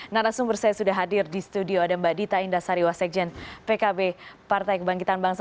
nah langsung bersedia sudah hadir di studio ada mbak dita indah sariwasekjen pkb partai kebangkitan bangsa